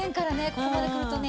ここまでくるとね。